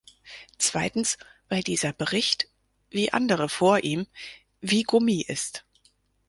Zweitens, weil dieser Bericht – wie andere vor ihm – wie Gummi ist.